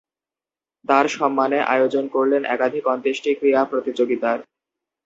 তার সম্মানে আয়োজন করলেন একাধিক অন্ত্যেষ্টি ক্রীড়া প্রতিযোগিতার।